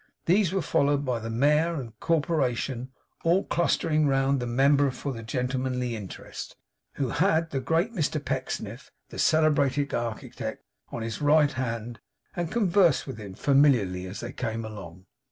These were followed by the Mayor and Corporation, all clustering round the member for the Gentlemanly Interest; who had the great Mr Pecksniff, the celebrated architect on his right hand, and conversed with him familiarly as they came along.